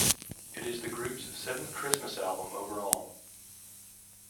It is the group's seventh Christmas album overall.